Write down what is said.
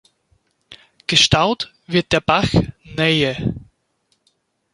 Gestaut wird der Bach Neye.